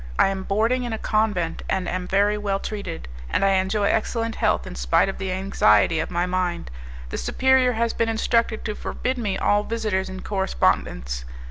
I am boarding in a convent, and am very well treated, and I enjoy excellent health in spite of the anxiety of my mind. The superior has been instructed to forbid me all visitors and correspondence.